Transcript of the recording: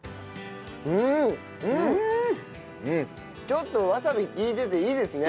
ちょっとわさび利いてていいですね。